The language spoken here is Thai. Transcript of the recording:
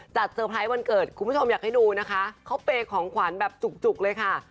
เซอร์ไพรส์วันเกิดคุณผู้ชมอยากให้ดูนะคะเขาเปย์ของขวัญแบบจุกเลยค่ะ